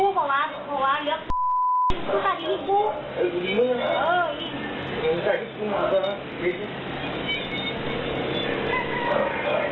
ข้าวก็ไม่แนวมึง